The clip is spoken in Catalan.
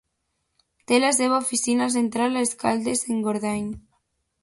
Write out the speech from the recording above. Té la seva oficina central a Escaldes-Engordany.